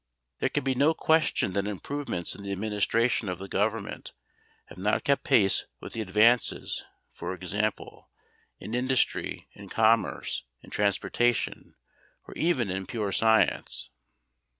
There can be no question that improvements in the administration of the government have not kept pace with the advances, for example, in industry, in commerce, in transportation, or even in pure science.